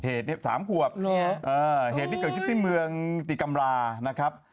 เหตุนี้๓ขวบเหตุที่เกิดขึ้นที่เมืองติกำรานะครับ